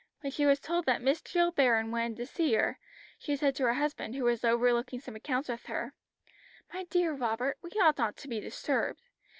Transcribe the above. When she was told that "Miss Jill Baron" wanted to see her, she said to her husband, who was overlooking some accounts with her: "My dear Robert, we ought not to be disturbed.